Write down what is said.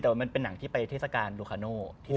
แต่มันเป็นหนังที่ไปเทศกาลดูคาโน่